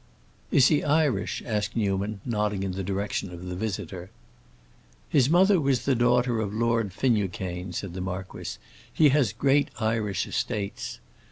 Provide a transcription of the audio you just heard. "Is he Irish?" asked Newman, nodding in the direction of the visitor. "His mother was the daughter of Lord Finucane," said the marquis; "he has great Irish estates.